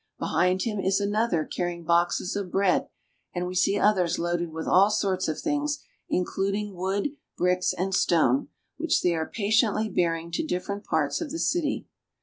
Behind him is another carrying boxes of bread, and we see others loaded with all sorts of things, including wood, bricks, and stone, which they are patiently bearing to difTerent parts of the city.